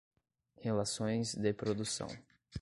relações de produção